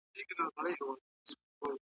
پاک بستر د شپې آرام ساتي.